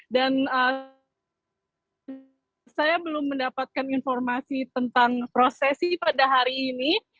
dan saya belum mendapatkan informasi tentang prosesi pada hari ini